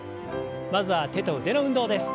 まずは手と腕の運動です。